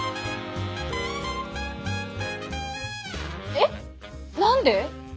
えっ何で！？